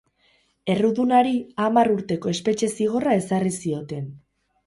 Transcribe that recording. Errudunari hamar urteko espetxe-zigorra ezarri zioten.